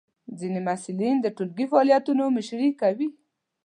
ځینې محصلین د ټولګی فعالیتونو مشري کوي.